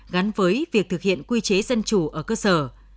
gắn với việc thực hiện quy chế dân chủ ở cơ sở